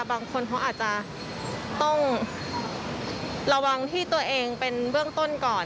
บางคนเขาอาจจะต้องระวังที่ตัวเองเป็นเบื้องต้นก่อน